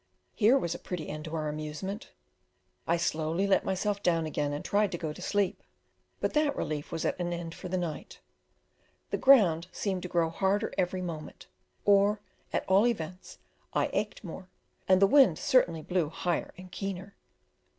Here was a pretty end to our amusement. I slowly let myself down again, and tried to go to sleep, but that relief was at an end for the night; the ground seemed to grow harder every moment, or, at all events, I ached more, and the wind certainly blew higher and keener.